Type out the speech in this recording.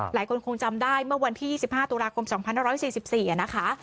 หลายคนคงจำได้เมื่อวันที่๒๕ตุลาคม๒๕๔๔นะคะ